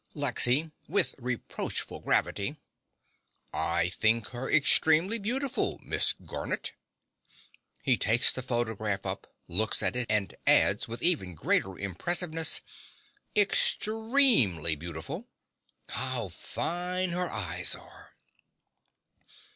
LEXY (with reproachful gravity). I think her extremely beautiful, Miss Garnett. (He takes the photograph up; looks at it; and adds, with even greater impressiveness) EXTREMELY beautiful. How fine her eyes are!